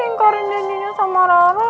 ingkarin janjinya sama rara